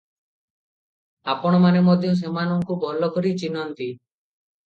ଆପଣମାନେ ମଧ୍ୟ ସେମାନଙ୍କୁ ଭଲକରି ଚିହ୍ନନ୍ତି ।